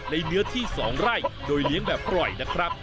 เนื้อที่๒ไร่โดยเลี้ยงแบบปล่อยนะครับ